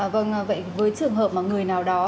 vâng vậy với trường hợp mà người nào đó